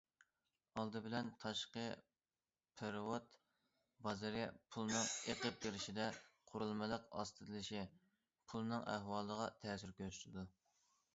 ئالدى بىلەن تاشقى پېرېۋوت بازىرى پۇلنىڭ ئېقىپ كىرىشىدە قۇرۇلمىلىق ئاستىلىشى پۇلنىڭ ئەھۋالىغا تەسىر كۆرسىتىدۇ.